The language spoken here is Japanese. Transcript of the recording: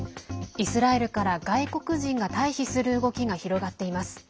イスラエルから、外国人が退避する動きが広がっています。